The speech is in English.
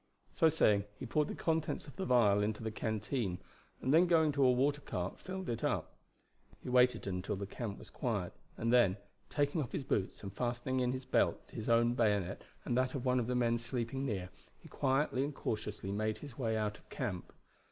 So saying he poured the contents of the vial into the canteen, and then going to a water cart filled it up. He waited until the camp was quiet, and then, taking off his boots and fastening in his belt his own bayonet and that of one of the men sleeping near, he quietly and cautiously made his way out of camp.